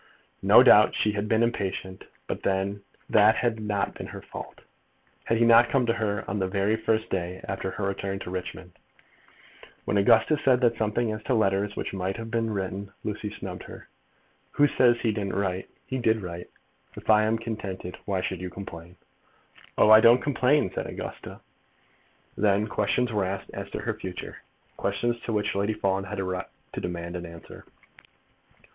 No doubt she had been impatient, but then that had been her fault. Had he not come to her the very first day after her return to Richmond? When Augusta said something as to letters which might have been written, Lucy snubbed her. "Who says he didn't write? He did write. If I am contented, why should you complain?" "Oh, I don't complain," said Augusta. Then questions were asked as to the future, questions to which Lady Fawn had a right to demand an answer.